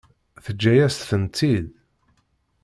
Teǧǧa-yas-tent-id?